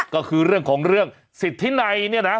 ก็คือเรื่องของเรื่องสิทธินัยเนี่ยนะ